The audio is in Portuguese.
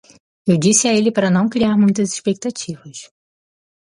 Eu disse a ele para não criar muitas expectativas.